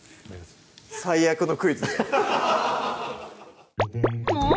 最悪のクイズでもう！